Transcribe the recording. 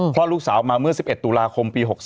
คลอดลูกสาวมาเมื่อ๑๑ตุลาคมปี๖๓